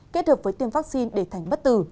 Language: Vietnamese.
kết hợp với tiêm vaccine để thành bất tử